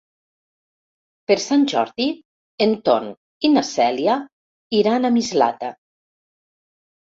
Per Sant Jordi en Ton i na Cèlia iran a Mislata.